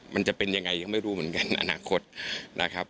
มันจะเป็นยังไงยังไม่รู้เหมือนกันอนาคตนะครับ